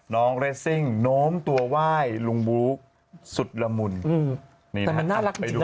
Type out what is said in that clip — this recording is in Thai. น้อมตัวว่ายลุงบลูกสุดละมุนอืมแต่มันน่ารักจริงจริง